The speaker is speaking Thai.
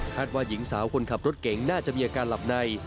ว่าหญิงสาวคนขับรถเก่งน่าจะมีอาการหลับใน